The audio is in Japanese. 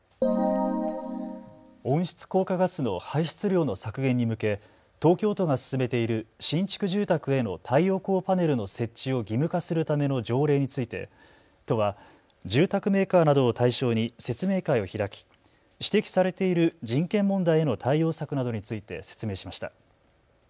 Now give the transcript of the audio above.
温室効果ガスの排出量の削減に向け東京都が進めている新築住宅への太陽光パネルの設置を義務化するための条例について都は住宅メーカーなどを対象に説明会を開き指摘されている人権問題への対応策などについて説明しました。